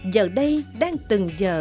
giờ đây đang từng giờ